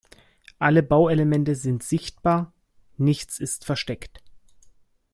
Alle Bauelemente sind sichtbar, nichts ist versteckt.